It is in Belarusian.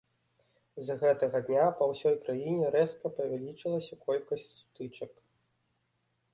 З гэтага дня па ўсёй краіне рэзка павялічылася колькасць сутычак.